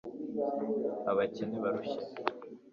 abakene barushye